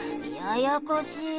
ややこしい。